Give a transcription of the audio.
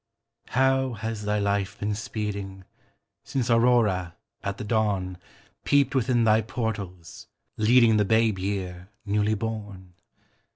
How has thy life been speeding Since Aurora, at the dawn, Peeped within thy portals, leading The babe year, newly born?